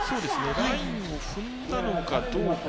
ラインを踏んだのかどうか。